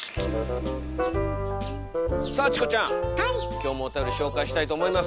今日もおたより紹介したいと思います。